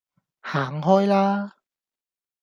行開啦